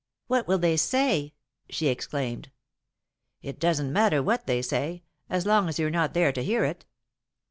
"What will they say!" she exclaimed. "It doesn't matter what they say, as long as you're not there to hear it."